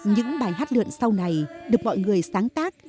những bài hát lượn sau này được mọi người sáng tác